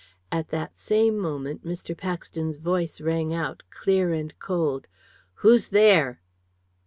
And that same moment Mr. Paxton's voice rang out, clear and cold "Who's there?"